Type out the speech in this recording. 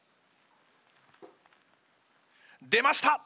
出ました！